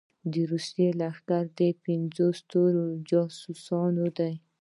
د روسي لښکرو د پېنځم ستون جاسوسان دي.